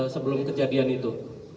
sebelum kejadian itu